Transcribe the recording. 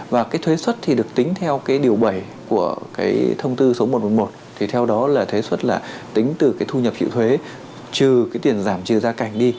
và tiền thưởng từ các mạnh thường quân